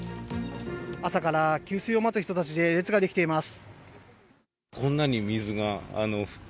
朝から給水を待つ人たちで列ができています。